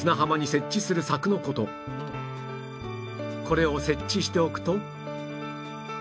これを設置しておくと